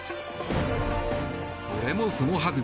それもそのはず